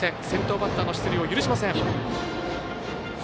先頭バッターの出塁を許しません。